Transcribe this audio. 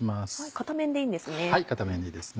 片面でいいんですね？